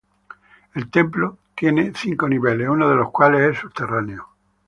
El templo tiene cinco niveles, uno de los cuales es subterráneo.